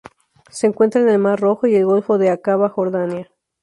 Se encuentra en el Mar Rojo y el Golfo de Aqaba, Jordania.